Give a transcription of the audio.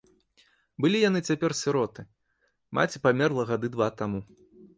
Былі яны цяпер сіроты, маці памерла гады два таму.